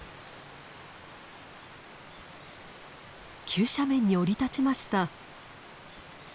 急斜面に降り立ちました。